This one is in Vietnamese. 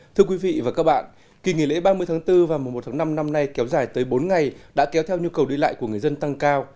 thưa quý vị và các bạn kỳ nghỉ lễ ba mươi tháng bốn và mùa một tháng năm năm nay kéo dài tới bốn ngày đã kéo theo nhu cầu đi lại của người dân tăng cao